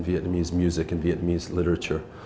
vì vậy hà nội là